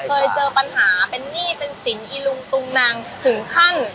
เคยเจอปัญหาเป็นหนี้เป็นสินอีลุงตุงนังถึงขั้น